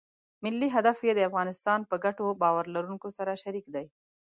ملي هدف یې د افغانستان په ګټو باور لرونکو سره شریک دی.